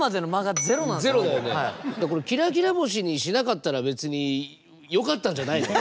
これ「きらきら星」にしなかったら別によかったんじゃないの？